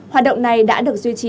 hoạt động này đã được duy trì